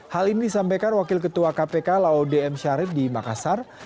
hal ini disampaikan wakil ketua kpk laude m syarif di makassar